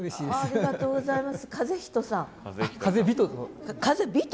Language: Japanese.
ありがとうございます。